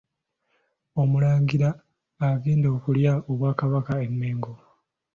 Omulangira agenda okulya Obwakabaka e Mengo.